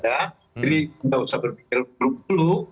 jadi tidak usah berpikir beruklu